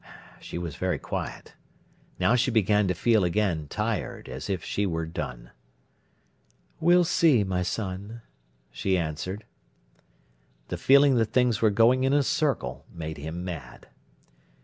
She was very quiet. Now she began to feel again tired, as if she were done. "We'll see, my son," she answered. The feeling that things were going in a circle made him mad.